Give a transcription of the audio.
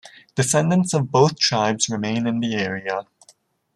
Descendants of both tribes remain in the area.